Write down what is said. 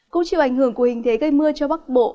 cũng chịu ảnh hưởng của hình thế gây mưa cho bắc bộ